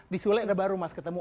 di sule ada baru mas ketemu